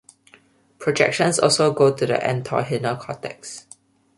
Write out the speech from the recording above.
Projections also go to the entorhinal cortex.